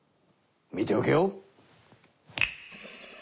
見ておけよ！